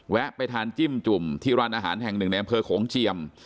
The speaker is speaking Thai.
ไปทานจิ้มจุ่มที่ร้านอาหารแห่งหนึ่งในอำเภอโขงเจียม